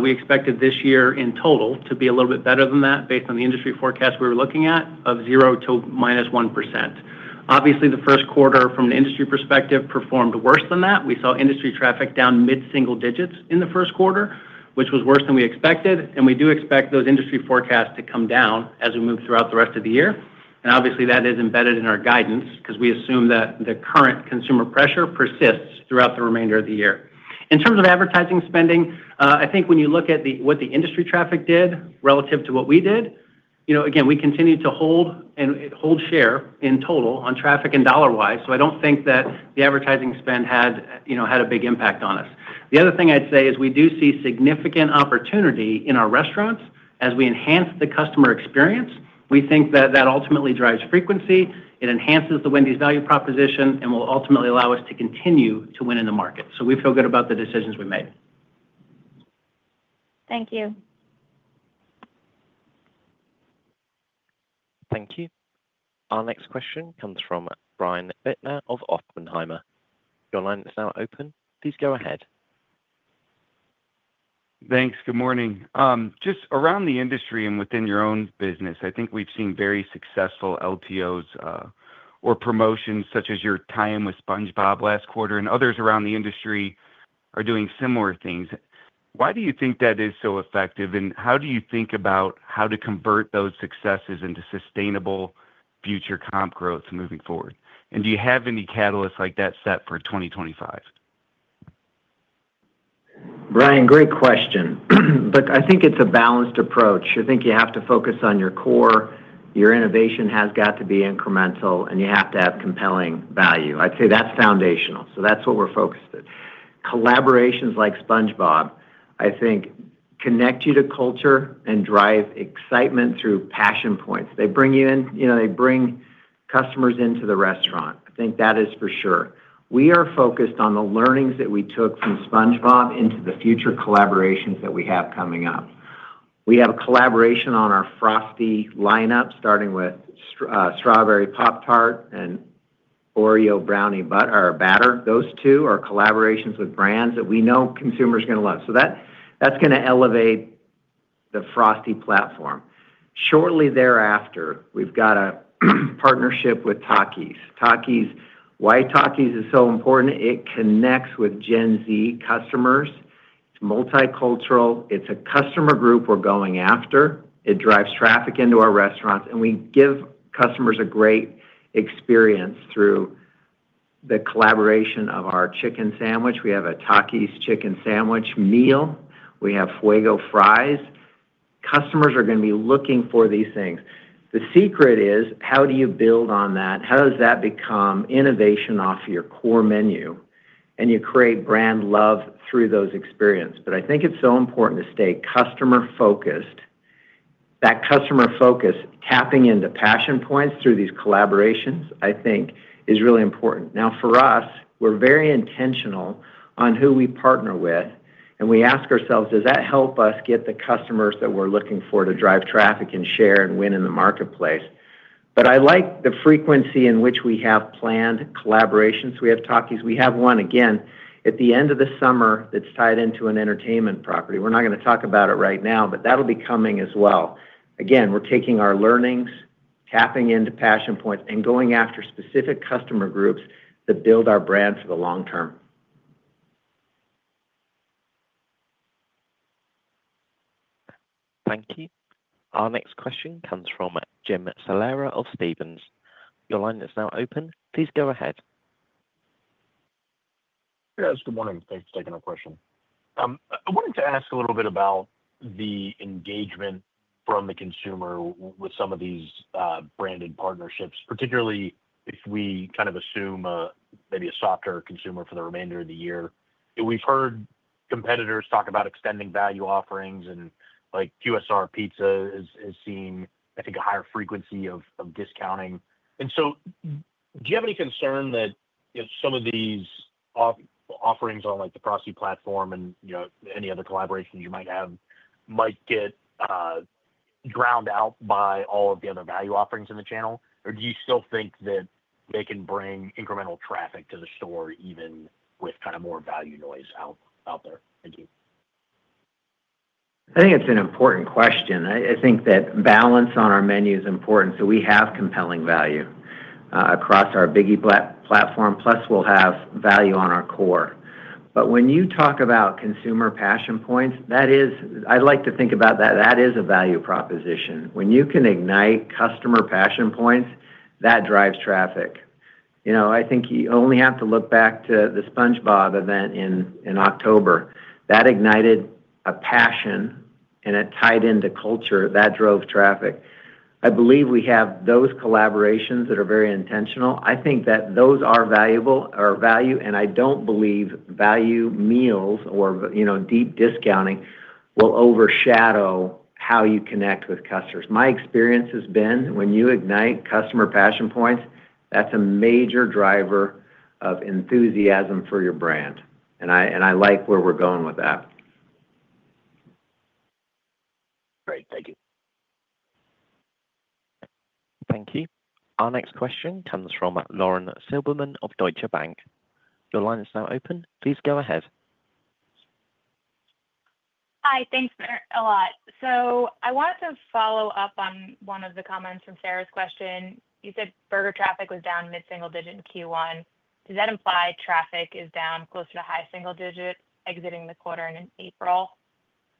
We expected this year in total to be a little bit better than that based on the industry forecast we were looking at of 0%-1%. Obviously, the first quarter from an industry perspective performed worse than that. We saw industry traffic down mid-single digits in the first quarter, which was worse than we expected. We do expect those industry forecasts to come down as we move throughout the rest of the year. Obviously, that is embedded in our guidance because we assume that the current consumer pressure persists throughout the remainder of the year. In terms of advertising spending, I think when you look at what the industry traffic did relative to what we did, again, we continue to hold share in total on traffic and dollar-wise. I do not think that the advertising spend had a big impact on us. The other thing I would say is we do see significant opportunity in our restaurants as we enhance the customer experience. We think that ultimately drives frequency. It enhances the Wendy's value proposition and will ultimately allow us to continue to win in the market. We feel good about the decisions we made. Thank you. Thank you. Our next question comes from Brian Bittner of Oppenheimer. Your line is now open. Please go ahead. Thanks. Good morning. Just around the industry and within your own business, I think we've seen very successful LTOs or promotions such as your tie-in with SpongeBob last quarter and others around the industry are doing similar things. Why do you think that is so effective, and how do you think about how to convert those successes into sustainable future comp growth moving forward? Do you have any catalysts like that set for 2025? Brian, great question, but I think it's a balanced approach. I think you have to focus on your core. Your innovation has got to be incremental, and you have to have compelling value. I'd say that's foundational. That is what we're focused on. Collaborations like SpongeBob, I think, connect you to culture and drive excitement through passion points. They bring you in. They bring customers into the restaurant. I think that is for sure. We are focused on the learnings that we took from SpongeBob into the future collaborations that we have coming up. We have a collaboration on our Frosty lineup, starting with Strawberry Pop-Tart and Oreo Brownie Batter. Those two are collaborations with brands that we know consumers are going to love. That is going to elevate the Frosty platform. Shortly thereafter, we have got a partnership with Takis. Why Takis is so important? It connects with Gen Z customers. It is multicultural. It is a customer group we are going after. It drives traffic into our restaurants, and we give customers a great experience through the collaboration of our chicken sandwich. We have a Takis chicken sandwich meal. We Fuego Fries. customers are going to be looking for these things. The secret is how do you build on that? How does that become innovation off your core menu? You create brand love through those experiences. I think it's so important to stay customer-focused. That customer focus, tapping into passion points through these collaborations, I think, is really important. For us, we're very intentional on who we partner with, and we ask ourselves, does that help us get the customers that we're looking for to drive traffic and share and win in the marketplace? I like the frequency in which we have planned collaborations. We have Takis. We have one, again, at the end of the summer that's tied into an entertainment property. We're not going to talk about it right now, but that'll be coming as well. Again, we're taking our learnings, tapping into passion points, and going after specific customer groups that build our brand for the long term. Thank you. Our next question comes from Jim Salera of Stephens. Your line is now open. Please go ahead. Yes. Good morning. Thanks for taking the question. I wanted to ask a little bit about the engagement from the consumer with some of these branded partnerships, particularly if we kind of assume maybe a softer consumer for the remainder of the year. We've heard competitors talk about extending value offerings, and QSR pizza is seeing, I think, a higher frequency of discounting. Do you have any concern that some of these offerings on the Frosty platform and any other collaborations you might have might get drowned out by all of the other value offerings in the channel? Do you still think that they can bring incremental traffic to the store even with kind of more value noise out there? Thank you. I think it's an important question. I think that balance on our menu is important. We have compelling value across our Biggie platform, plus we'll have value on our core. When you talk about consumer passion points, I'd like to think about that. That is a value proposition. When you can ignite customer passion points, that drives traffic. I think you only have to look back to the SpongeBob event in October. That ignited a passion, and it tied into culture. That drove traffic. I believe we have those collaborations that are very intentional. I think that those are valuable, or value, and I don't believe value meals or deep discounting will overshadow how you connect with customers. My experience has been when you ignite customer passion points, that's a major driver of enthusiasm for your brand. I like where we're going with that. Great. Thank you. Thank you. Our next question comes from Lauren Silberman of Deutsche Bank. Your line is now open. Please go ahead. Hi. Thanks a lot. I wanted to follow up on one of the comments from Sara's question. You said burger traffic was down mid-single digit in Q1. Does that imply traffic is down closer to high single digit exiting the quarter in April?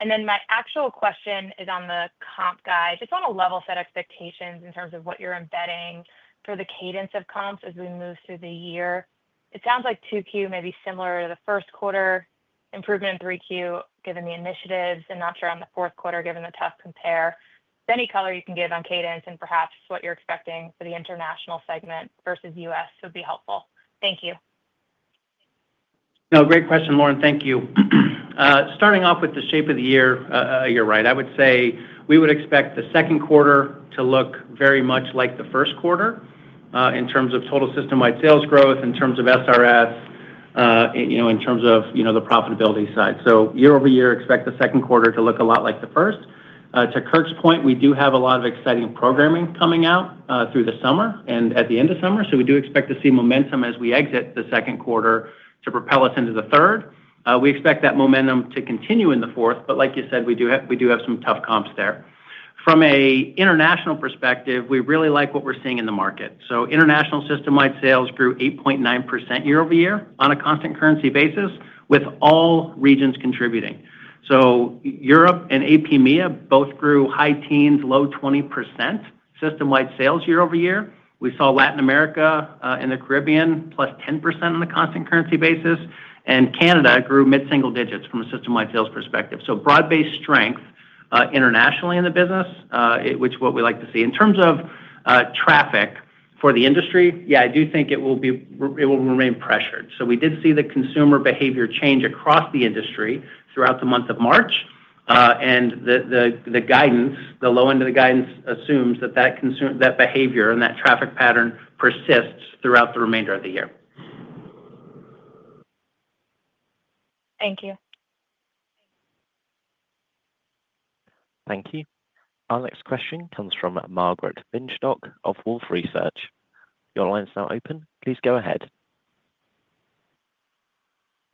My actual question is on the comp guide, just on a level-set expectations in terms of what you're embedding for the cadence of comps as we move through the year. It sounds like 2Q may be similar to the first quarter, improvement in 3Q given the initiatives, and not sure on the fourth quarter given the tough compare. Any color you can give on cadence and perhaps what you're expecting for the international segment versus U.S. would be helpful. Thank you. No, great question, Lauren. Thank you. Starting off with the shape of the year, you're right. I would say we would expect the second quarter to look very much like the first quarter in terms of total system-wide sales growth, in terms of SRS, in terms of the profitability side. Year over year, expect the second quarter to look a lot like the first. To Kirk's point, we do have a lot of exciting programming coming out through the summer and at the end of summer. We do expect to see momentum as we exit the second quarter to propel us into the third. We expect that momentum to continue in the fourth, but like you said, we do have some tough comps there. From an international perspective, we really like what we're seeing in the market. International system-wide sales grew 8.9% year over year on a constant currency basis with all regions contributing. Europe and APMEA both grew high teens, low 20% system-wide sales year over year. We saw Latin America and the Caribbean plus 10% on a constant currency basis. Canada grew mid-single digits from a system-wide sales perspective. Broad-based strength internationally in the business, which is what we like to see. In terms of traffic for the industry, yeah, I do think it will remain pressured. We did see the consumer behavior change across the industry throughout the month of March. The low end of the guidance assumes that that behavior and that traffic pattern persists throughout the remainder of the year. Thank you. Thank you. Our next question comes from Margaret Binshtok of Wolfe Research. Your line is now open. Please go ahead.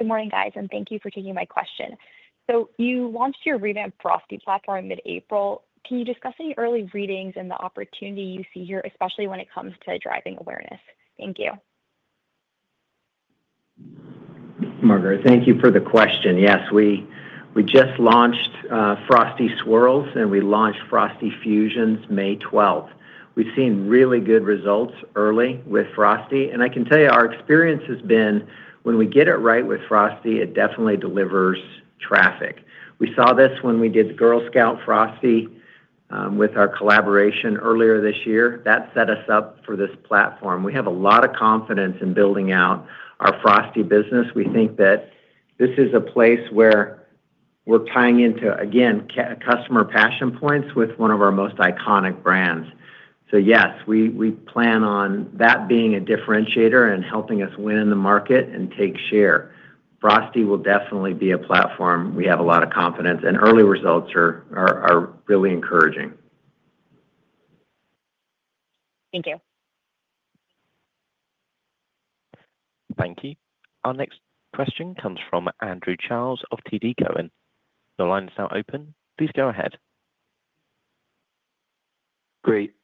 Good morning, guys, and thank you for taking my question. You launched your revamped Frosty platform in mid-April. Can you discuss any early readings and the opportunity you see here, especially when it comes to driving awareness? Thank you. Margaret, thank you for the question. Yes, we just launched Frosty Swirls, and we launched Frosty Fusions May 12. We've seen really good results early with Frosty. I can tell you our experience has been when we get it right with Frosty, it definitely delivers traffic. We saw this when we did Girl Scout Frosty with our collaboration earlier this year. That set us up for this platform. We have a lot of confidence in building out our Frosty business. We think that this is a place where we're tying into, again, customer passion points with one of our most iconic brands. Yes, we plan on that being a differentiator and helping us win in the market and take share. Frosty will definitely be a platform we have a lot of confidence in, and early results are really encouraging. Thank you. Thank you. Our next question comes from Andrew Charles of TD Cowen. Your line is now open. Please go ahead. Great.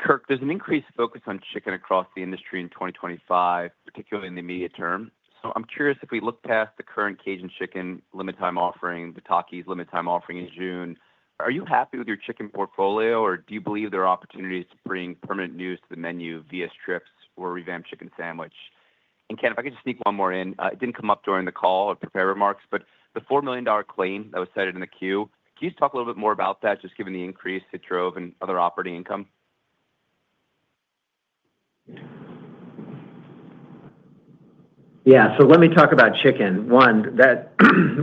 Kirk, there's an increased focus on chicken across the industry in 2025, particularly in the immediate term. I'm curious if we look past the current Cajun chicken limited time offering, the Takis limited time offering in June. Are you happy with your chicken portfolio, or do you believe there are opportunities to bring permanent news to the menu via strips or revamped chicken sandwich? Ken, if I could just sneak one more in, it did not come up during the call or prepared remarks, but the $4 million claim that was cited in the queue, can you just talk a little bit more about that, just given the increase it drove in other operating income? Yeah. Let me talk about chicken. One,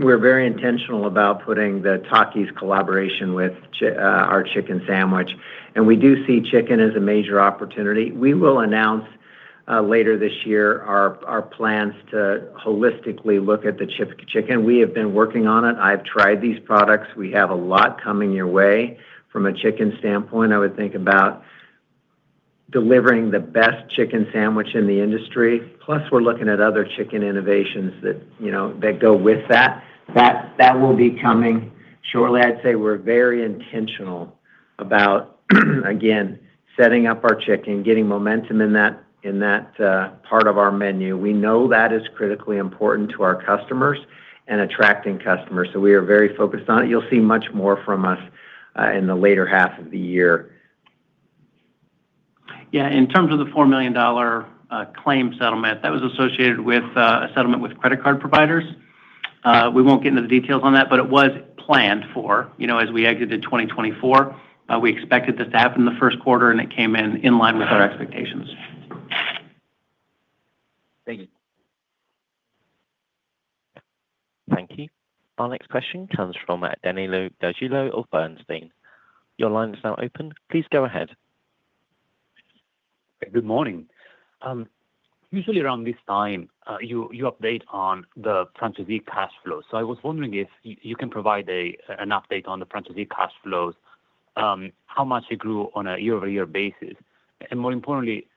we are very intentional about putting the Takis collaboration with our chicken sandwich. We do see chicken as a major opportunity. We will announce later this year our plans to holistically look at the chip chicken. We have been working on it. I have tried these products. We have a lot coming your way. From a chicken standpoint, I would think about delivering the best chicken sandwich in the industry. Plus, we are looking at other chicken innovations that go with that. That will be coming shortly. I'd say we're very intentional about, again, setting up our chicken, getting momentum in that part of our menu. We know that is critically important to our customers and attracting customers. We are very focused on it. You'll see much more from us in the later half of the year. In terms of the $4 million claim settlement, that was associated with a settlement with credit card providers. We won't get into the details on that, but it was planned for as we exited 2024. We expected this to happen in the first quarter, and it came in line with our expectations. Thank you. Our next question comes from Danilo Gargiulo of Bernstein. Your line is now open. Please go ahead. Good morning. Usually around this time, you update on the frontier week cash flows. I was wondering if you can provide an update on the frontier week cash flows, how much it grew on a year-over-year basis. More importantly,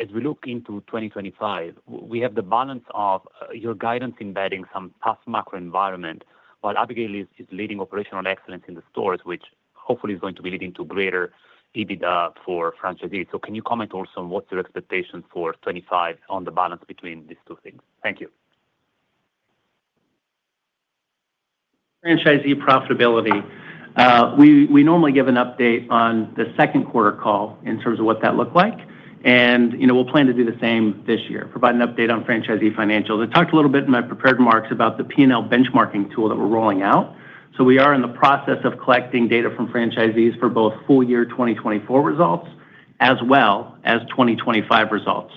as we look into 2025, we have the balance of your guidance embedding some tough macro environment while Abigail is leading operational excellence in the stores, which hopefully is going to be leading to greater EBITDA for franchisees. Can you comment also on what's your expectation for 2025 on the balance between these two things? Thank you. Franchisee profitability. We normally give an update on the second quarter call in terms of what that looked like. We'll plan to do the same this year, provide an update on franchisee financials. I talked a little bit in my prepared remarks about the P&L benchmarking tool that we're rolling out. We are in the process of collecting data from franchisees for both full year 2024 results as well as 2025 results.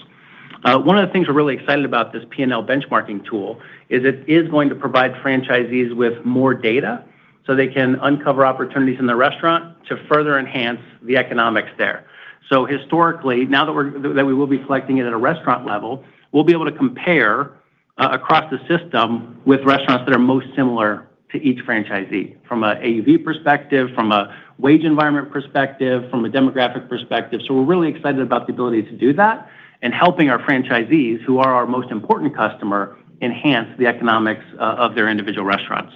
One of the things we're really excited about with this P&L benchmarking tool is it is going to provide franchisees with more data so they can uncover opportunities in the restaurant to further enhance the economics there. Historically, now that we will be collecting it at a restaurant level, we'll be able to compare across the system with restaurants that are most similar to each franchisee from an AUV perspective, from a wage environment perspective, from a demographic perspective. We're really excited about the ability to do that and helping our franchisees, who are our most important customer, enhance the economics of their individual restaurants.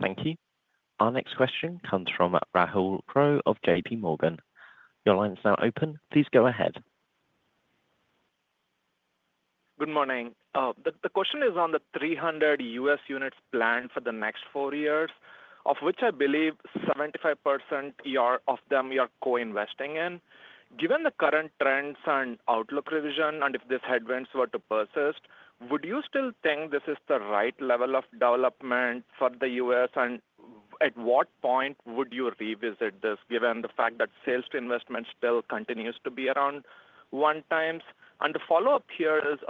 Thank you. Our next question comes from [Unknown Speaker] of JPMorgan. Your line is now open. Please go ahead. Good morning. The question is on the 300 U.S. units planned for the next four years, of which I believe 75% of them you're co-investing in. Given the current trends and outlook revision, if these headwinds were to persist, would you still think this is the right level of development for the U.S.? At what point would you revisit this given the fact that sales to investment still continues to be around one times? The follow-up here is,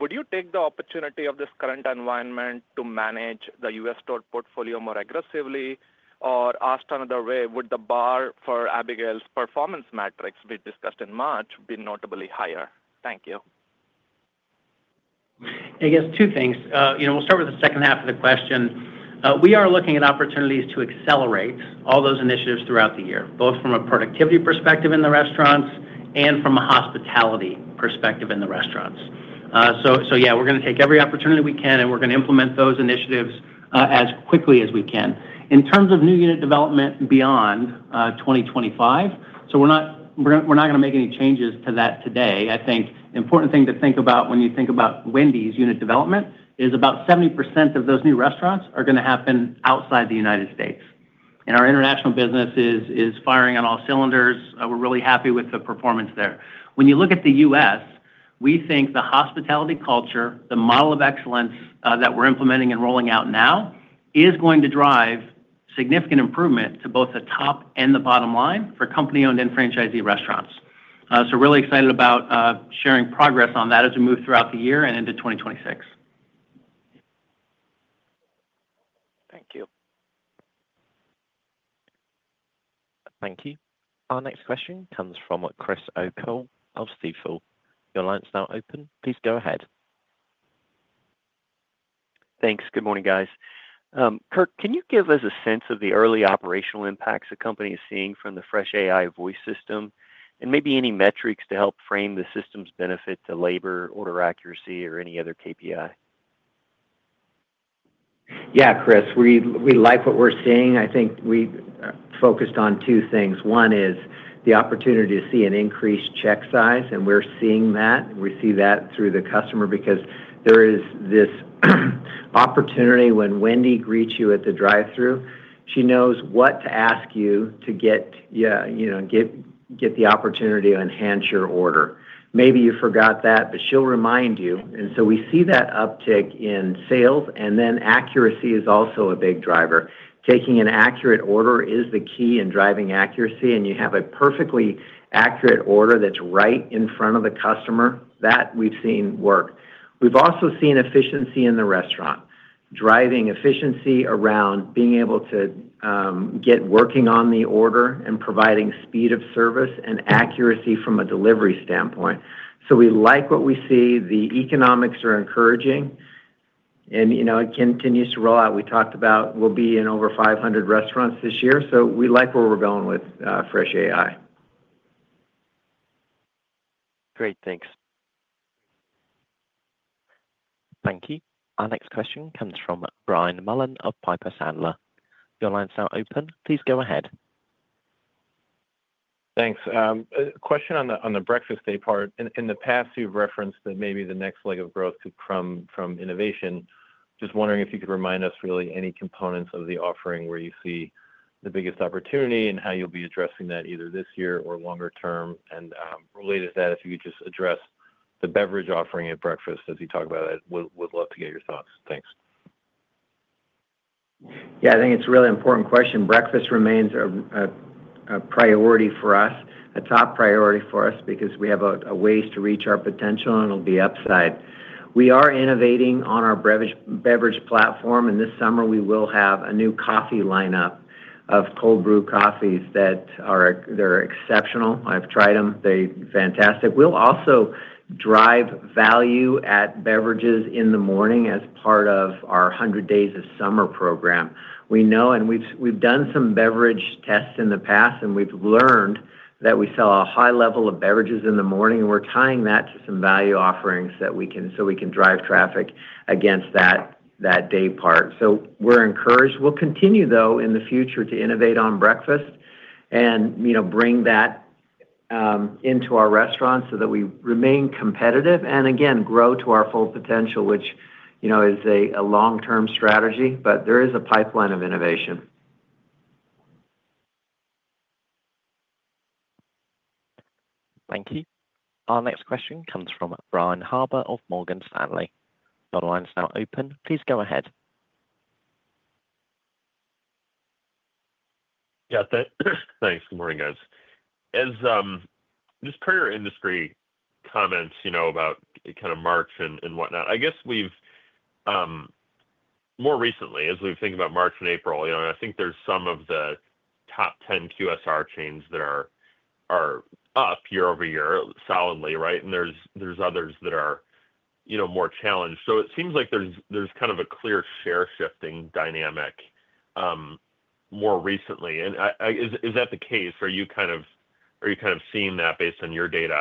would you take the opportunity of this current environment to manage the U.S. store portfolio more aggressively? Or asked another way, would the bar for Abigail's performance metrics we discussed in March be notably higher? Thank you. I guess two things. We'll start with the second half of the question. We are looking at opportunities to accelerate all those initiatives throughout the year, both from a productivity perspective in the restaurants and from a hospitality perspective in the restaurants. Yeah, we're going to take every opportunity we can, and we're going to implement those initiatives as quickly as we can. In terms of new unit development beyond 2025, we're not going to make any changes to that today. I think the important thing to think about when you think about Wendy's unit development is about 70% of those new restaurants are going to happen outside the U.S. Our international business is firing on all cylinders. We're really happy with the performance there. When you look at the U.S., we think the hospitality culture, the Model of Excellence that we're implementing and rolling out now is going to drive significant improvement to both the top and the bottom line for company-owned and franchisee restaurants. Really excited about sharing progress on that as we move throughout the year and into 2026. Thank you. Thank you. Our next question comes from Christopher O'Cull of Stephens Inc. Your line is now open. Please go ahead. Thanks. Good morning, guys. Kirk, can you give us a sense of the early operational impacts the company is seeing from the FreshAI voice system and maybe any metrics to help frame the system's benefit to labor, order accuracy, or any other KPI? Yeah, Chris, we like what we're seeing. I think we focused on two things. One is the opportunity to see an increased check size, and we're seeing that. We see that through the customer because there is this opportunity when Wendy greets you at the drive-through. She knows what to ask you to get the opportunity to enhance your order. Maybe you forgot that, but she'll remind you. We see that uptick in sales, and then accuracy is also a big driver. Taking an accurate order is the key in driving accuracy, and you have a perfectly accurate order that's right in front of the customer. That we've seen work. We've also seen efficiency in the restaurant, driving efficiency around being able to get working on the order and providing speed of service and accuracy from a delivery standpoint. We like what we see. The economics are encouraging, and it continues to roll out. We talked about we'll be in over 500 restaurants this year. We like where we're going with FreshAI. Great. Thanks. Thank you. Our next question comes from Brian Mullan of Piper Sandler. Your line is now open. Please go ahead. Thanks. Question on the breakfast day part. In the past, you've referenced that maybe the next leg of growth could come from innovation. Just wondering if you could remind us really any components of the offering where you see the biggest opportunity and how you'll be addressing that either this year or longer term. Related to that, if you could just address the beverage offering at breakfast as you talk about it, we'd love to get your thoughts. Thanks. Yeah, I think it's a really important question. Breakfast remains a priority for us, a top priority for us because we have a ways to reach our potential, and it'll be upside. We are innovating on our beverage platform, and this summer we will have a new coffee lineup of cold brew coffees that are exceptional. I've tried them. They're fantastic. We'll also drive value at beverages in the morning as part of our 100 Days of Summer program. We know, and we've done some beverage tests in the past, and we've learned that we sell a high level of beverages in the morning, and we're tying that to some value offerings so we can drive traffic against that day part. We are encouraged. We'll continue, though, in the future to innovate on breakfast and bring that into our restaurants so that we remain competitive and, again, grow to our full potential, which is a long-term strategy, but there is a pipeline of innovation. Thank you. Our next question comes from Brian Harbour of Morgan Stanley. Your line is now open. Please go ahead. Yeah. Thanks. Good morning, guys. As this prior industry comments about kind of March and whatnot, I guess more recently, as we think about March and April, I think there's some of the top 10 QSR chains that are up year over year solidly, right? And there's others that are more challenged. It seems like there's kind of a clear share-shifting dynamic more recently. Is that the case? Are you kind of seeing that based on your data?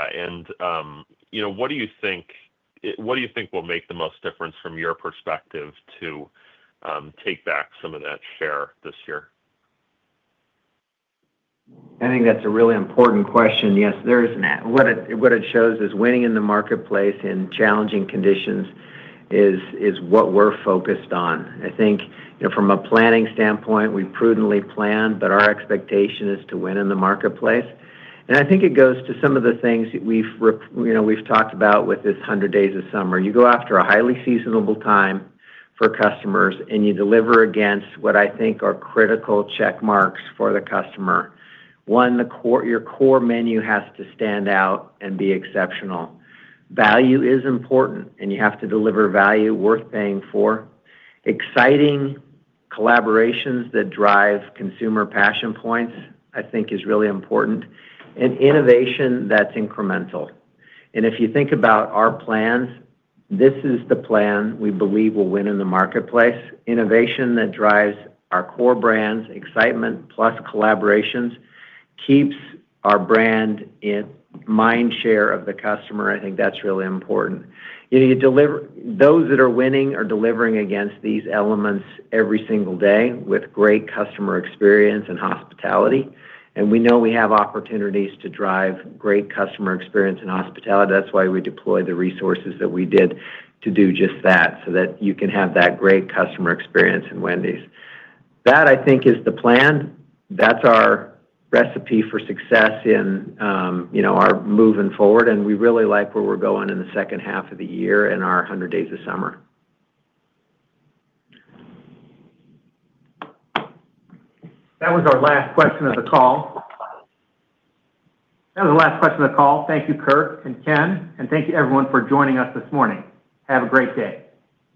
What do you think will make the most difference from your perspective to take back some of that share this year? I think that's a really important question. Yes, what it shows is winning in the marketplace in challenging conditions is what we're focused on. I think from a planning standpoint, we prudently plan, but our expectation is to win in the marketplace. I think it goes to some of the things that we've talked about with this 100 Days of Summer. You go after a highly seasonable time for customers, and you deliver against what I think are critical check marks for the customer. One, your core menu has to stand out and be exceptional. Value is important, and you have to deliver value worth paying for. Exciting collaborations that drive consumer passion points, I think, is really important. Innovation that's incremental. If you think about our plans, this is the plan we believe will win in the marketplace. Innovation that drives our core brands, excitement plus collaborations, keeps our brand mind share of the customer. I think that's really important. Those that are winning are delivering against these elements every single day with great customer experience and hospitality. We know we have opportunities to drive great customer experience and hospitality. That's why we deploy the resources that we did to do just that so that you can have that great customer experience in Wendy's. That, I think, is the plan. That's our recipe for success in our moving forward. We really like where we're going in the second half of the year and our 100 Days of Summer. That was our last question of the call. That was the last question of the call. Thank you, Kirk and Ken. Thank you, everyone, for joining us this morning. Have a great day.